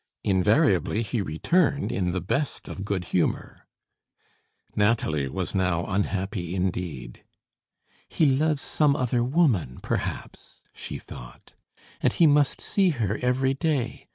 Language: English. Invariably he returned in the best of good humor. Nathalie was now unhappy indeed. "He loves some other woman, perhaps," she thought, "and he must see her every day.